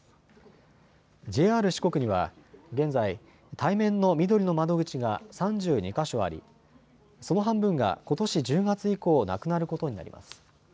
ＪＲ四国には現在、対面のみどりの窓口が３２か所あり、その半分がことし１０月以降、なくなることになります。